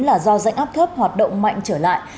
là do rãnh áp thấp hoạt động mạnh trở lại